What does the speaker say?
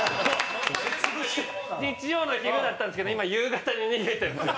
日曜の昼だったんですけど今夕方に逃げてるんですよ。